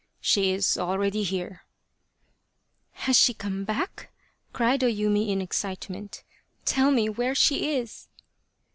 " She is already here !"" Has she come back ?" cried O Yumi in excite ment. " Tell me where she is."